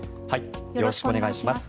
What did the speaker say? よろしくお願いします。